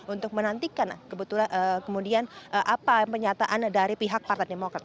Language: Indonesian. untuk menantikan kebetulan kemudian apa penyataan dari pihak partai demokrat